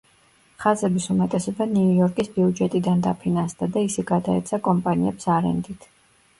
ხაზების უმეტესობა ნიუ-იორკის ბიუჯეტიდან დაფინანსდა და ისე გადაეცა კომპანიებს არენდით.